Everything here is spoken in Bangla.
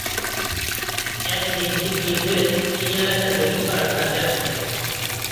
একদিন কিছু ইংরেজ এই এলাকা জরিপ করার কাজে আসে।